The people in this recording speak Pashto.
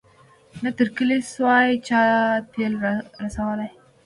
نه تر کلي سوای چا تېل را رسولای